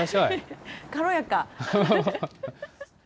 軽やか。